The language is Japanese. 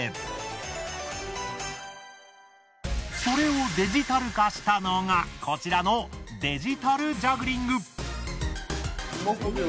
それをデジタル化したのがこちらのデジタルジャグリング。